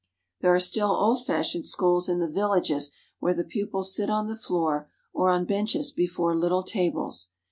There are still old fashioned schools in the villages where the pupils sit on the floor or on benches before little tables.